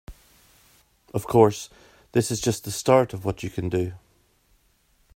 Of course, this is just the start of what you can do.